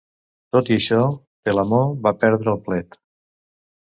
Tot i això, Telamó va perdre el plet.